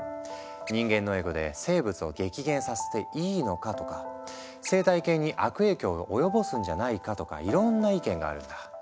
「人間のエゴで生物を激減させていいのか」とか「生態系に悪影響を及ぼすんじゃないか」とかいろんな意見があるんだ。